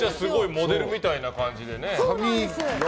モデルみたいな感じでね。